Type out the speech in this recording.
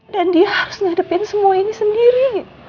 dan dia harus nyadepin semua ini sendiri